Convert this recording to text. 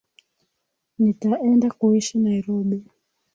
Nitaenda kuishi Nairobi